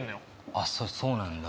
あっそうそうなんだ